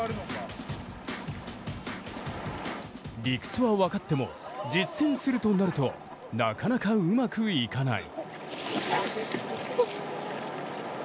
理屈は分かっても実践するとなるとなかなかうまくいかない。